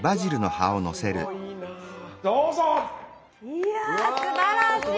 いやすばらしい！